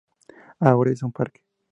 Ahora es un parque.